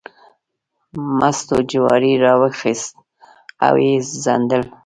مستو جواری راواخیست او یې څنډل.